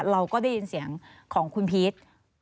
เราก็ได้ยินเสียงของคุณพีช